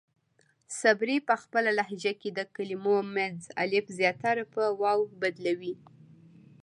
صبري پۀ خپله لهجه کې د کلمو منځ الف زياتره پۀ واو بدلوي.